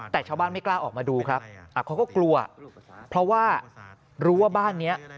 แต่ชาวบ้านไม่กล้าออกมาดูครับเขาก็กลัวเพราะว่ารู้ว่าบ้านเนี้ย